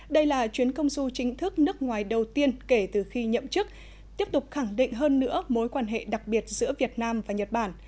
đây là chuyến công du chính thức nước ngoài đầu tiên kể từ khi nhậm chức tiếp tục khẳng định hơn nữa mối quan hệ đặc biệt giữa việt nam và nhật bản